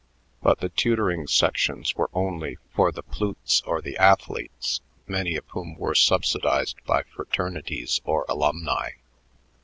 But the tutoring sections were only for the "plutes" or the athletes, many of whom were subsidized by fraternities or alumni.